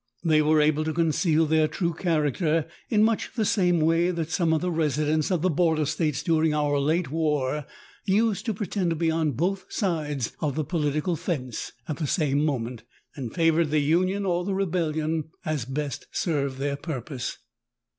They were able to eoneeal their true eharacter in mueh the same way that some of the residents of lOG THE TALKING HANDKERCHIEF. the border states during our late war used to pre tend to be on both sides of the political fence at the same moment, and favored the Union or the Rebellion as best served their purpose.